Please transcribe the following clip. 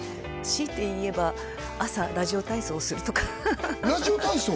強いて言えば朝ラジオ体操をするとかラジオ体操？